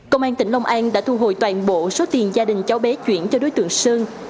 công an tỉnh long an đã thu hồi toàn bộ số tiền gia đình cháu bé chuyển cho đối tượng sơn